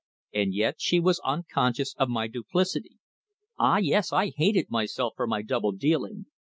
And yet she was unconscious of my duplicity. Ah! yes, I hated myself for my double dealing.